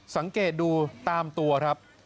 สังเกตดูตามตัวครับ